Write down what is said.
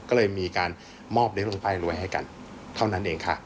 ก็เลยมีการมอบเลี้ยลงป้ายรวยให้กันเท่านั้นเองค่ะ